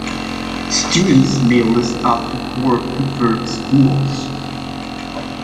Students may list up to four preferred schools.